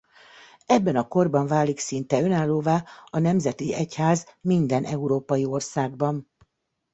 Ebben a korban válik szinte önállóvá a nemzeti egyház minden európai országban.